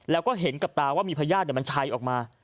แล้วก็เห็นกับตาว่ามีพญาติมันชัยออกมา